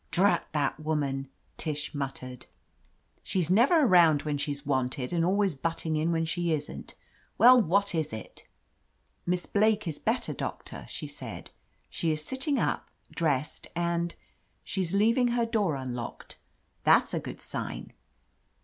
"Drat that woman !" Tish muttered. "She's ii8 OF LETITIA CARBERRY never around when she's wanted, and always butting in when she isn't. Well, what is it?" "Miss Blake is better, . Doctor," she said. "She is sitting up, dressed, and — she's leaving her door unlocked. That's a good sign."